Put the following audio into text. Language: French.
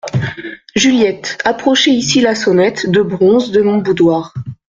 Juliette, approchez ici la sonnette de bronze de mon boudoir.